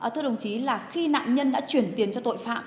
thưa đồng chí là khi nạn nhân đã chuyển tiền cho tội phạm